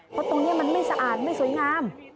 เพราะตรงนี้มันไม่สะอาดไม่สวยงาม